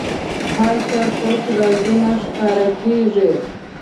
هلته پټ رازونه راښکاره کېږي.